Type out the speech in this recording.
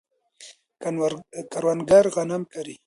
کروندګر غنم کري.